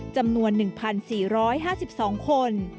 จำนวน๑๔๕๒คน